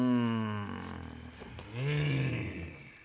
うん。